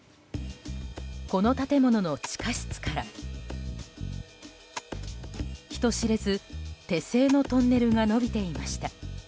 この建物の地下室から人知れず手製のトンネルが延びていました。